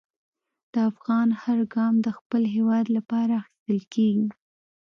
د افغان هر ګام د خپل هېواد لپاره اخیستل کېږي.